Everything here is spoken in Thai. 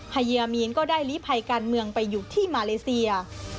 เฮียมีนก็ได้ลีภัยการเมืองไปอยู่ที่มาเลเซีย